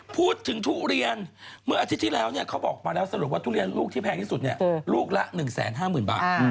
ทุเรียนเมื่ออาทิตย์ที่แล้วเขาบอกมาแล้วสรุปว่าทุเรียนลูกที่แพงที่สุดลูกละ๑๕๐๐๐บาท